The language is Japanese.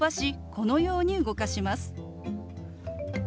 このように動かします。